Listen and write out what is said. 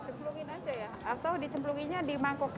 cemplungin aja ya atau di cemplunginnya di mangkuk